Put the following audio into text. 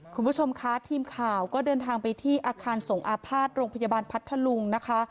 คุณผู้ชมคะทีมข่าวก็เดินทางไปที่อาคารสงอาภาษณ์โรงพยาบาลพัทธลุงนะคะ